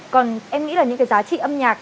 còn em nghĩ là những cái giá trị âm nhạc